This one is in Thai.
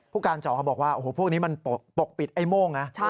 ผู้การจอเขาบอกว่าโอ้โหพวกนี้มันปกปิดไอ้โม่งนะ